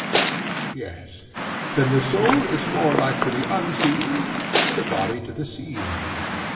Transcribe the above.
Yes. Then the soul is more like to the unseen, and the body to the seen?